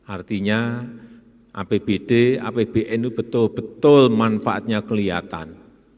artinya apbd apbn itu betul betul manfaatnya kelihatan